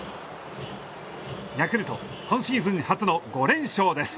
ヤクルト今シーズン初の５連勝です。